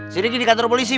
sidiq di kantor polisi bang